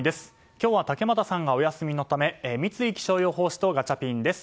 今日は竹俣さんがお休みのため三井気象予報士とガチャピンです。